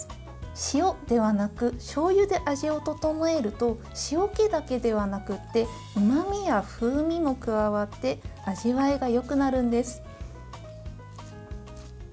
塩ではなくしょうゆで味を調えると塩けだけではなくてうまみや風味も加わって味わいがよくなるんです。